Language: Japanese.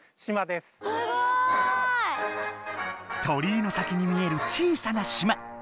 鳥居の先に見える小さな島。